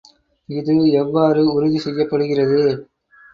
இது எவ்வாறு உறுதி செய்யப்படுகிறது?